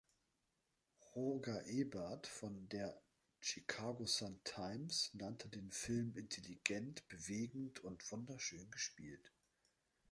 Roger Ebert von der „Chicago Sun-Times“ nannte den Film „intelligent, bewegend und wunderschön gespielt“.